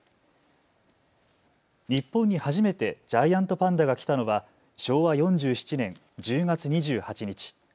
日本に初めてジャイアントパンダが来たのは昭和４７年１０月２８日。